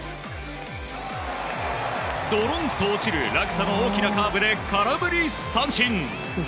ドロンと落ちる落差の大きなカーブで空振り三振！